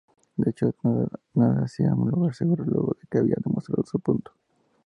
De hecho nadó hacia un lugar seguro luego de que había demostrado su punto.